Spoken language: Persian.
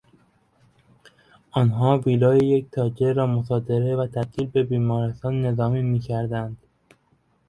آنها ویلای یک تاجر را مصادره و تبدیل به بیمارستان نظامی کردند.